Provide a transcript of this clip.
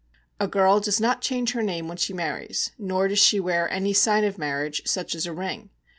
A girl does not change her name when she marries, nor does she wear any sign of marriage, such as a ring.